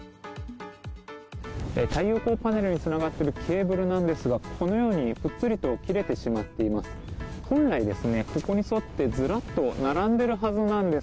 太陽光パネルにつながっているケーブルなんですが、ぷっつりと切れてしまっています。